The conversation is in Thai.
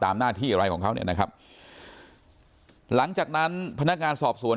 ตามหน้าที่อะไรของเขาหลังจากนั้นพนักงานสอบส่วน